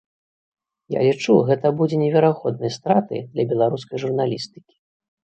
Я лічу, гэта будзе неверагоднай стратай для беларускай журналістыкі.